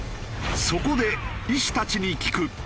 そこで医師たちに聞く！